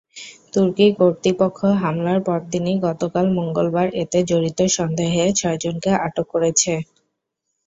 তুর্কি কর্তৃপক্ষ হামলার পরদিনই গতকাল মঙ্গলবার এতে জড়িত সন্দেহে ছয়জনকে আটক করেছে।